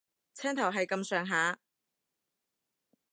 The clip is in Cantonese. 青頭係咁上下